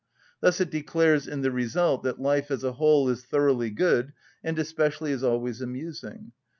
Thus it declares, in the result, that life as a whole is thoroughly good, and especially is always amusing.